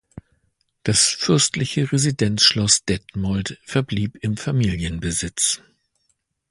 Das fürstliche Residenzschloss Detmold verblieb im Familienbesitz.